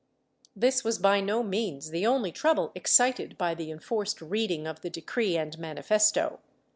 ^ This was by no means the only trouble excited by the enforced reading of the decree and manifesto.